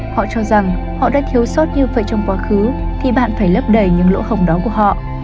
họ cho rằng họ đã thiếu sót như vậy trong quá khứ thì bạn phải lấp đầy những lỗ hồng đó của họ